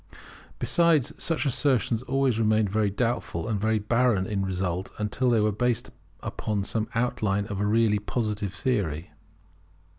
Besides, such assertions always remained very doubtful and very barren in result, until they were based upon some outline of a really Positive theory.